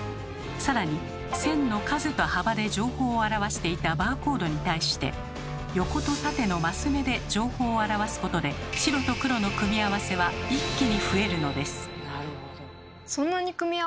さらに線の数と幅で情報を表していたバーコードに対して横と縦のマス目で情報を表すことで白と黒の組み合わせは一気に増えるのです。